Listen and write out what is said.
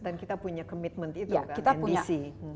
dan kita punya komitmen itu kan ndc